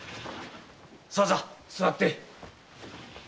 さあ座って。